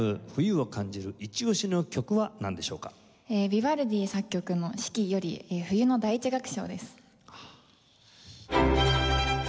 さあヴィヴァルディ作曲の『四季』より「冬」の第１楽章です。